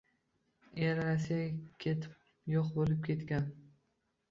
Eri rossiyaga ketib yoʻq boʻlib ketgan